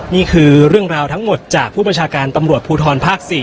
นี่คือเรื่องราวทั้งหมดจากผู้บัญชาการตำรวจภูทรภาค๔